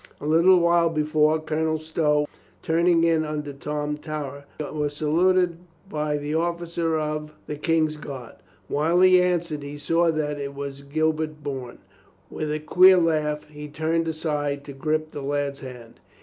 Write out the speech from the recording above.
A little while before, Colonel Stow, turning in under Tom Tower, was saluted by the officer of COLONEL STOW WARNS HIS FRIEND 231 the King's Guard. While he answered he saw that it was Gilbert Bourne. With a queer laugh he turned aside to grip the lad's hand.